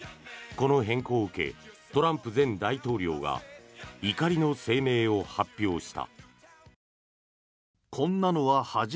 この変更を受けトランプ前大統領が怒りの声明を発表した。